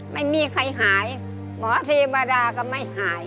ไม่มีใครหายหมอเทวดาก็ไม่หาย